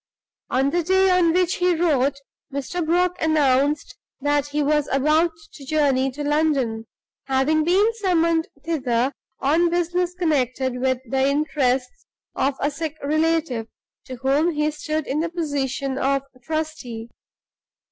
On the day on which he wrote, Mr. Brock announced that he was about to journey to London; having been summoned thither on business connected with the interests of a sick relative, to whom he stood in the position of trustee.